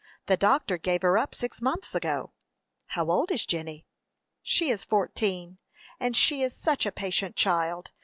The doctor gave her up six months ago." "How old is Jenny?" "She is fourteen; and she is such a patient child!